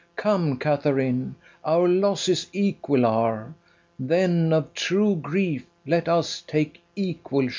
Come, Katharine; our losses equal are; Then of true grief let us take equal share.